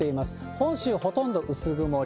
本州ほとんど薄曇り。